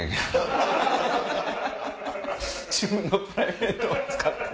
自分のプライベートを使って。